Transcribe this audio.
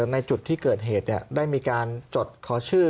ในจุดที่เกิดเหตุได้มีการจดขอชื่อ